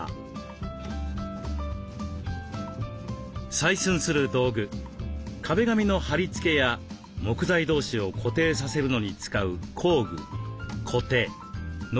採寸する道具壁紙の貼り付けや木材同士を固定させるのに使う工具